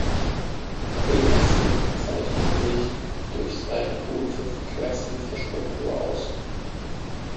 Weetzen zeichnet sich durch seine gute Verkehrsinfrastruktur aus.